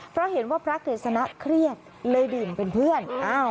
เพราะเห็นว่าพระกฤษณะเครียดเลยดื่มเป็นเพื่อน